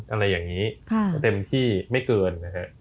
อะไรอย่างนี้เต็มที่ไม่เกินนะฮะ